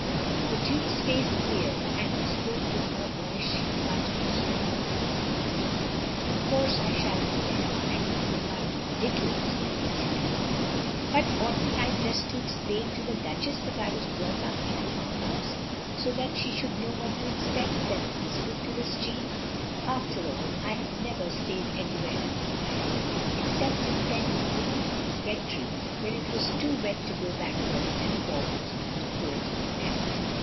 " The Duke's face cleared, and he spoke with more boyish heartiness than was his wont. " Of course I shall be there; and you could not be ridiculous if you tried. "^" But ought n't I just to explain to the Duchess that I was brought up in a farmhouse, so that she should know what to expect, " said scrupulous Jeanne. "After all, I have never stayed any where in my life, except in Pen y waun Rectory when it was too wet to go backwards and forwards to Coed Ithel.